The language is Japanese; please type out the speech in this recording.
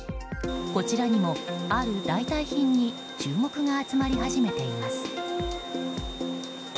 こちらにも、ある代替品に注目が集まり始めています。